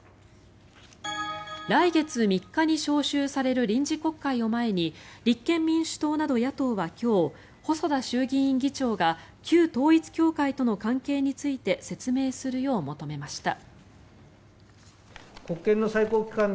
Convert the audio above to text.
来月３日に召集される臨時国会を前に立憲民主党など野党は今日細田衆議院議長が旧統一教会との関係について説明するよう求めました。